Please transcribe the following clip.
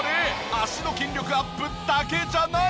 脚の筋力アップだけじゃない。